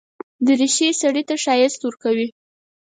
دریشي سړي ته ښايست ورکوي.